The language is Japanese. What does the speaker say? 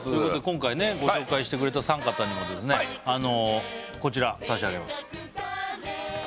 今回ねご紹介してくれた三方にはですねこちら差し上げます